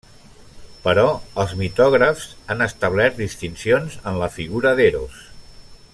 Però els mitògrafs han establert distincions en la figura d'Eros.